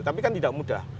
tapi kan tidak mudah